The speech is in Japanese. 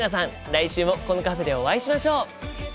来週もこのカフェでお会いしましょう！